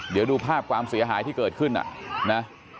เดี๋ยวดูภาพความเสียหายที่เกิดขึ้นนะ